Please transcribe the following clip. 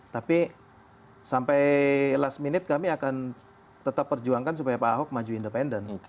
tapi sampai last minute kami akan tetap perjuangkan supaya pak ahok maju independen